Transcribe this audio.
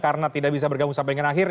karena tidak bisa bergabung sampai akhir